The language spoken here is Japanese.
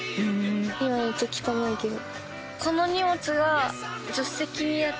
今めっちゃ汚いけど。